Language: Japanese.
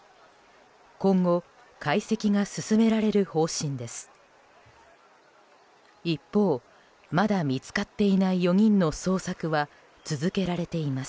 今後、解析が進められる方針です。